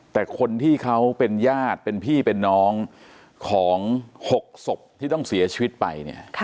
แต่คนที่เขาเป็นญาติเป็นพี่เป็นน้องของ๖ศพที่ต้องเสียชีวิตไปเนี่ย